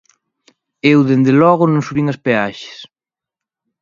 Eu, dende logo, non subín as peaxes.